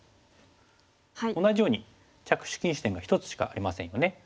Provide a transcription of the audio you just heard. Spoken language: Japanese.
同じように着手禁止点が１つしかありませんよね。